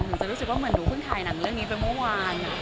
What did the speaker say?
หนูจะรู้สึกว่าเหมือนหนูเพิ่งถ่ายหนังเรื่องนี้ไปเมื่อวาน